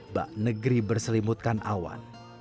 bak negeri berselimutkan awan